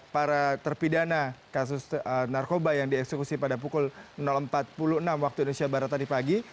para terpidana kasus narkoba yang dieksekusi pada pukul empat puluh enam waktu indonesia barat tadi pagi